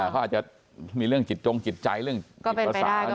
เขาอาจจะมีเรื่องจิตจงจิตใจเรื่องจิตภาษา